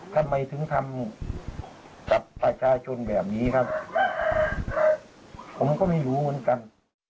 ทำไมถึงทำกับประชาชนแบบนี้ครับผมก็ไม่รู้เหมือนกัน